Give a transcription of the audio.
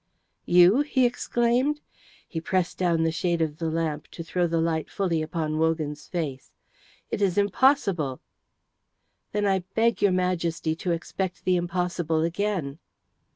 "You?" he exclaimed. He pressed down the shade of the lamp to throw the light fully upon Wogan's face. "It is impossible!" "Then I beg your Majesty to expect the impossible again."